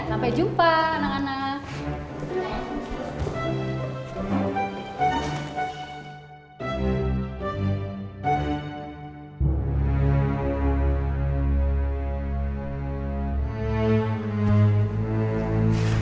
sampai jumpa anak anak